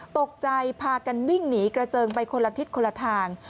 ตกใจพากันวิ่งหนีกระเจิงไปคนละทิศคนละทาง